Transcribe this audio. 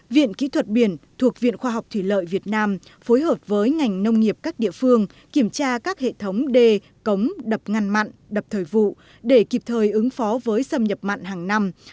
viện kỹ thuật biển thuộc viện khoa học thủy lợi việt nam phối hợp với ngành nông nghiệp các địa phương kiểm tra các hệ thống đê cống đập ngăn mặn đập thời vụ để kịp thời ứng phó với xâm nhập mặn hàng năm